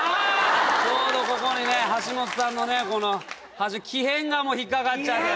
ちょうどここにね橋本さんのねきへんが引っ掛かっちゃって。